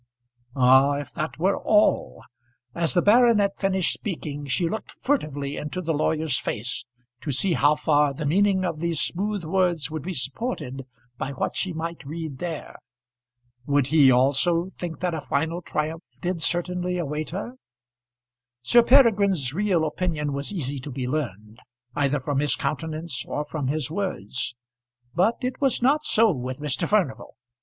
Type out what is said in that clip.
Ah, if that were all! As the baronet finished speaking she looked furtively into the lawyer's face to see how far the meaning of these smooth words would be supported by what she might read there. Would he also think that a final triumph did certainly await her? Sir Peregrine's real opinion was easily to be learned, either from his countenance or from his words; but it was not so with Mr. Furnival.